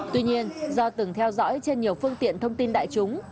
tuy nhiên do từng theo dõi trên nhiều phương tiện thông tin đại chúng